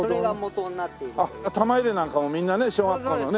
玉入れなんかもみんなね小学校のね